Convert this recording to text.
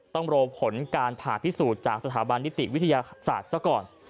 ต้องรอผลการผ่าพิสูจน์จากสถาบันนิติวิทยาศาสตร์ซะก่อน